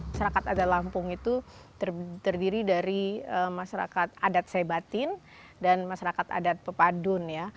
masyarakat adat lampung itu terdiri dari masyarakat adat saibatin dan masyarakat adat pepadun